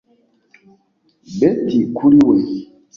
Betty kuri we